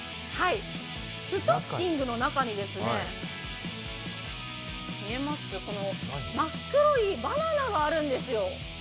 ストッキングの中に真っ黒いバナナがあるんですよ。